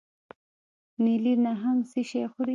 نیلي نهنګ څه شی خوري؟